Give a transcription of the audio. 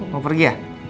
mau pergi ya